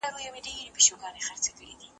رڼا د حق د لټون په لاره کې د مشال په څېر وه.